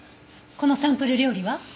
この「サンプル料理」は？